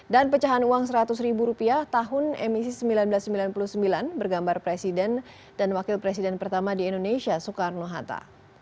dan pecahan uang rp seratus tahun emisi seribu sembilan ratus sembilan puluh sembilan bergambar presiden dan wakil presiden pertama di indonesia soekarno hatta